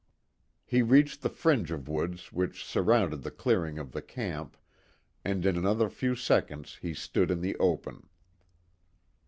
He reached the fringe of woods which surrounded the clearing of the camp, and in another few seconds he stood in the open.